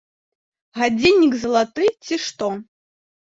Гадзіннік залаты ці што?